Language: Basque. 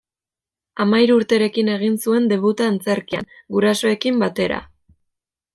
Hamahiru urterekin egin zuen debuta antzerkian, gurasoekin batera.